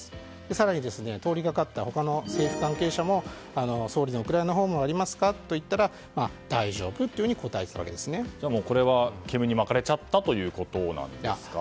更に、通りがかった他の政府関係者も総理のウクライナ訪問はありますかと聞いたらこれは煙に巻かれちゃったということなんですか？